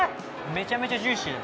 めちゃめちゃジューシー。